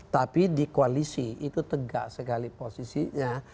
tapi di koalisi itu tegak sekali posisinya